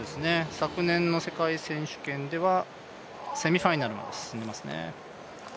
昨年の世界選手権ではセミファイナルまで進んでいますね。